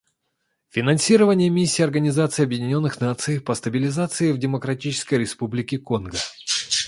Финансирование Миссии Организации Объединенных Наций по стабилизации в Демократической Республике Конго.